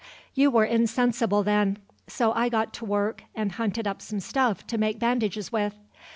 "You were insensible then, so I got to work and hunted up some stuff to make bandages with.